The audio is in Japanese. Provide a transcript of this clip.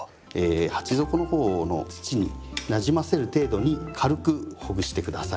鉢底の方の土になじませる程度に軽くほぐして下さい。